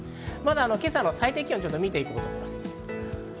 今朝の最低気温を見て行きます。